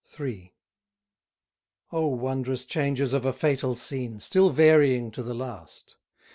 III. O wondrous changes of a fatal scene, Still varying to the last!